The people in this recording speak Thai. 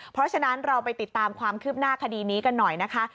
เพราะฉะนั้นเราไปติดตามความคืบหน้าคดีนี้กันหน่อยนะคะ